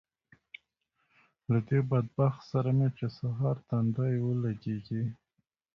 له دې بدبخت سره مې چې سهار تندی ولګېږي